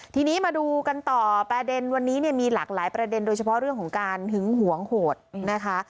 ทีนี้มาดูกันต่อประเด็นวันนี้เนี่ยมีหลากหลายประเด็นโดยเฉพาะเรื่องของการหึงหวงโหดนะคะ